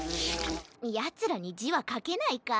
ヤツらにじはかけないか。